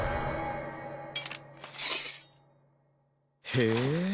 へえ。